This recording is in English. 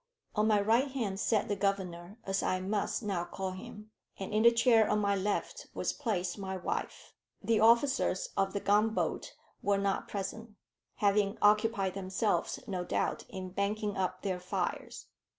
On my right hand sat the governor, as I must now call him; and in the chair on my left was placed my wife. The officers of the gunboat were not present, having occupied themselves, no doubt, in banking up their fires.